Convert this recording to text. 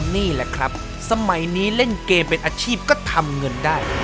นี่แหละครับสมัยนี้เล่นเกมเป็นอาชีพก็ทำเงินได้